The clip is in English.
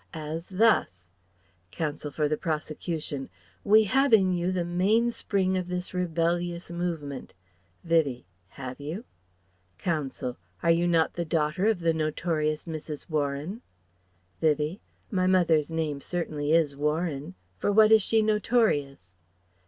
As thus: Counsel for the prosecution: "We have in you the mainspring of this rebellious movement..." Vivie: "Have you?" Counsel: "Are you not the daughter of the notorious Mrs. Warren?" Vivie: "My mother's name certainly is Warren. For what is she notorious?"